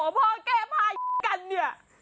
พ่อแก้ผ้ากันเนี่ย